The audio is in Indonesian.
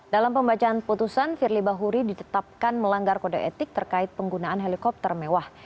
dalam pembacaan putusan firly bahuri ditetapkan melanggar kode etik terkait penggunaan helikopter mewah